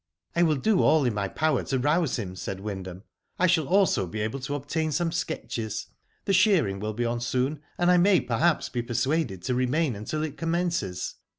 I will do all in my power to rouse him," said Wyndham. " I shall also be able to obtain some sketches. The shearing will be on soon, and I may perhaps be persuaded to remain until it commences."